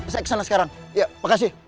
saya kesana sekarang ya makasih